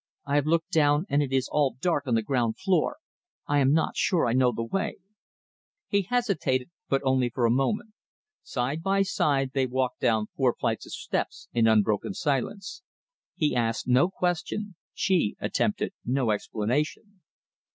"I have looked down and it is all dark on the ground floor. I am not sure that I know my way." He hesitated, but only for a moment. Side by side they walked down four flights of steps in unbroken silence. He asked no question, she attempted no explanation.